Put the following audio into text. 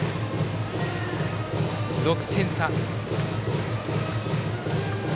６点差。